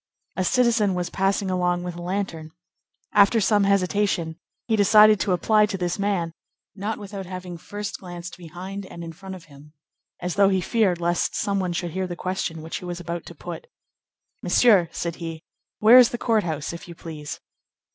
A citizen was passing along with a lantern. After some hesitation, he decided to apply to this man, not without having first glanced behind and in front of him, as though he feared lest some one should hear the question which he was about to put. "Monsieur," said he, "where is the court house, if you please."